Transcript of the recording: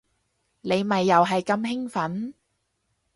你咪又係咁興奮